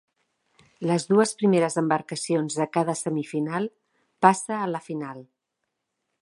Les dues primeres embarcacions de cada semifinal passa a la final.